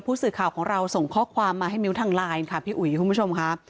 ผู้สื่อข่าวของเราส่งข้อความมาให้มิ้วทางไลน์ค่ะพี่อุ๋ยคุณผู้ชมค่ะ